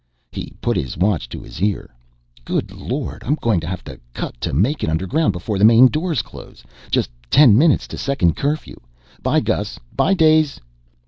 He put his watch to his ear. "Good lord, I'm going to have to cut to make it underground before the main doors close. Just ten minutes to Second Curfew! 'By, Gus. 'By, Daze."